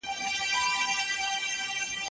نکاح په لغت کي څه معنا لري؟